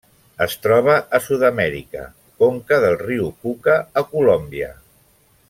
Es troba a Sud-amèrica: conca del riu Cuca a Colòmbia.